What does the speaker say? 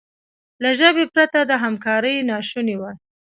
له ژبې پرته دا همکاري ناشونې وه.